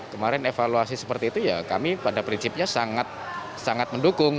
kemarin evaluasi seperti itu ya kami pada prinsipnya sangat mendukung